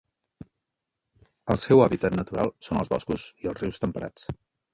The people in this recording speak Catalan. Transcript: El seu hàbitat natural són els boscos i els rius temperats.